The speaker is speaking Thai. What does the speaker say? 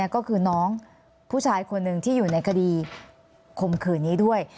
ก็คือน้องผู้ชายคนหนึ่งที่อยู่ในคดีข่มขืนนี้ด้วย